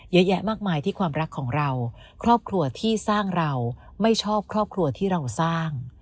เยอะแยะมากมายที่ความรักของเราครอบครัวที่สร้างเราไม่ชอบครอบครัวที่เราสร้าง